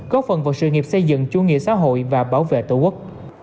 có phần vào sự nghiệp xây dựng chung nghĩa xã hội và bảo vệ tổ quốc